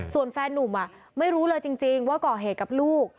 ส่วนแฟนนุ่มไม่รู้เลยจริงว่าก่อเหตุกับลูก